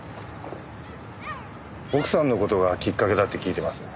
奥さんの事がきっかけだって聞いてます。